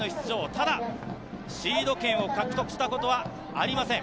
ただシード権を獲得したことはありません。